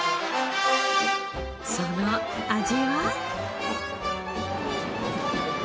その味は？